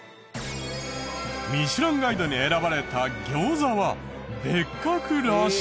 『ミシュランガイド』に選ばれた餃子は別格らしい！